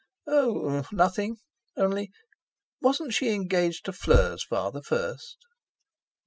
"Oh! nothing. Only, wasn't she engaged to Fleur's father first?"